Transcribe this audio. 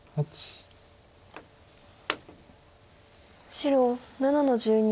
白７の十二。